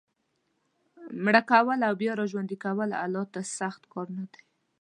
مړه کول او بیا را ژوندي کول الله ته سخت کار نه دی.